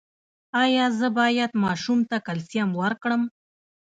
ایا زه باید ماشوم ته کلسیم ورکړم؟